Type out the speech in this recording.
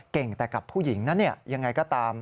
เก่งแต่กับผู้หญิงนะเนี่ยยังไงก็ตาม